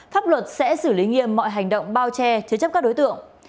pháp luật sẽ xử lý nghiêm mọi hành động bao che chế chấp các đối tượng